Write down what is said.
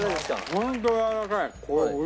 ホントやわらかい。